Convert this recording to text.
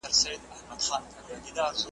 کمپيوټر تاريخي انځورونه ساتي.